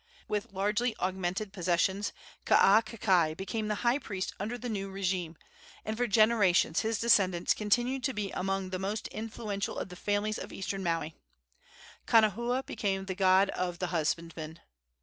With largely augmented possessions Kaakakai became the high priest under the new régime, and for generations his descendants continued to be among the most influential of the families of eastern Maui. Kaanahua became the god of the husbandman.